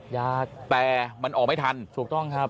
อยากแต่มันออกไม่ทันถูกต้องครับ